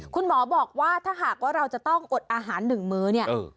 คุณหมอบอกว่าถ้าหากว่าเราจะต้องอดอาหาร๑มื้อ